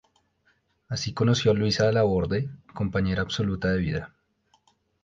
Así conoció a Luisa Laborde compañera absoluta de vida.